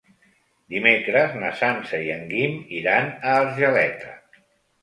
Dimecres na Sança i en Guim iran a Argeleta.